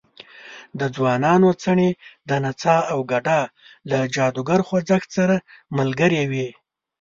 د ځوانانو څڼې د نڅا او ګډا له جادوګر خوځښت سره ملګرې وې.